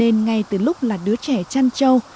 nên ngay từ lúc là đứa trẻ chăn trâu